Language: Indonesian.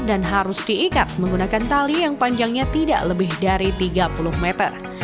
dan harus diikat menggunakan tali yang panjangnya tidak lebih dari tiga puluh meter